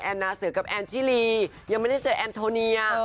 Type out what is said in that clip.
นาเสือกับแอนชิลียังไม่ได้เจอแอนโทเนีย